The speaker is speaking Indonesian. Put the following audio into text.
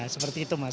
seperti itu mas